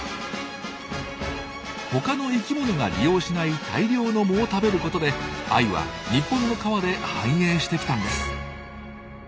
他の生きものが利用しない大量の藻を食べることでアユは日本の川で繁栄してきたんです。